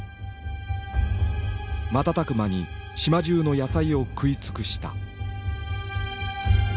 瞬く間に島じゅうの野菜を食い尽くした。